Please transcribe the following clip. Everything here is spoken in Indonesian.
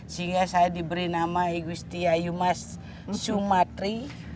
sehingga saya diberi nama igusti ayu mas sumatri